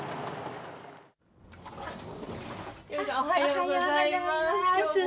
おはようございます。